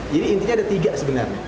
jadi intinya ada tiga sebenarnya